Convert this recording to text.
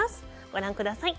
ご覧ください。